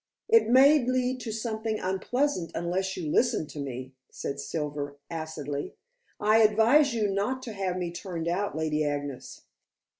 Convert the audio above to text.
"It may lead to something unpleasant unless you listen to me," said Silver acidly. "I advise you not to have me turned out, Lady Agnes."